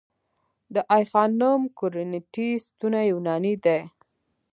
د آی خانم کورینتی ستونې یوناني دي